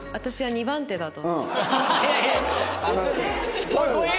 ２番手だと。